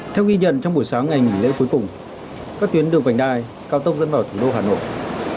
theo ghi nhận trong buổi sáng ngày nghỉ lễ cuối cùng các tuyến đường vành đai cao tốc dẫn vào thủ đô hà nội